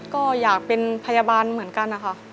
ก็อยากเป็นพยาบาลเหมือนกันนะคะ